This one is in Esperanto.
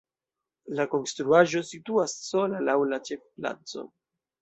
La konstruaĵo situas sola laŭ la ĉefplaco.